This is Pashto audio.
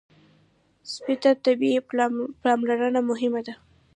سپي ته طبي پاملرنه مهمه ده.